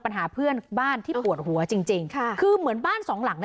ปัญหาเพื่อนบ้านที่ปวดหัวจริงจริงค่ะคือเหมือนบ้านสองหลังน่ะ